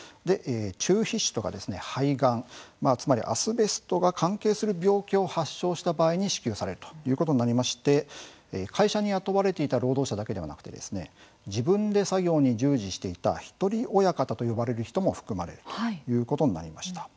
中皮腫とか肺がん、つまりアスベストが関係する病気を発症した場合に支給されるということになりまして会社に雇われていた労働者だけではなくて自分で作業に従事していた「一人親方」と呼ばれる人も含まれるということになりました。